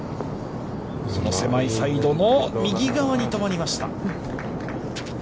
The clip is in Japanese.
その狭いサイドの右側に止まりました。